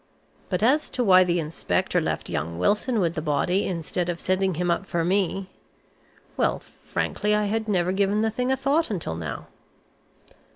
But as to why the inspector left young Wilson with the body instead of sending him up for me well, frankly I had never given the thing a thought until now."